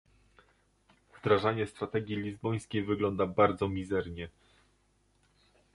Wdrażanie strategii lizbońskiej wygląda bardzo mizernie